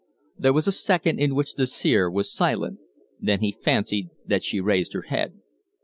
There was a second in which the seer was silent; then he fancied that she raised her head.